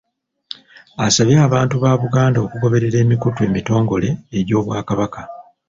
Asabye abantu ba Buganda okugoberera emikutu emitongole egy'Obwakabaka